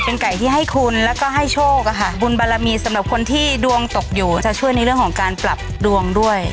เป็นไก่ที่ให้คุณแล้วก็ให้โชคบุญบารมีสำหรับคนที่ดวงตกอยู่จะช่วยในเรื่องของการปรับดวงด้วย